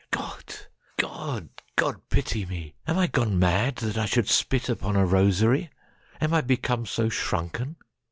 God! God!—God pity me! Am I gone madThat I should spit upon a rosary? Am I become so shrunken?